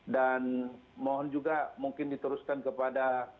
dan mohon juga mungkin diteruskan kepada